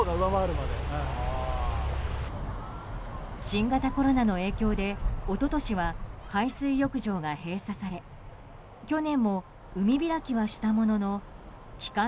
新型コロナの影響で一昨年は海水浴場が閉鎖され去年も海開きはしたものの期間